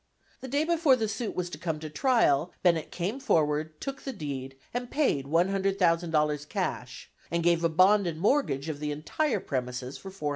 The day before the suit was to come to trial, Bennett came forward, took the deed, and paid $100,000 cash and gave a bond and mortgage of the entire premises for $400,000.